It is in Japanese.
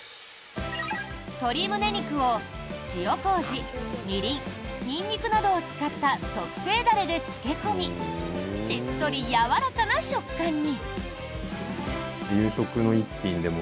鶏むね肉を塩麹、みりんニンニクなどを使った特製ダレで漬け込みしっとりやわらかな食感に！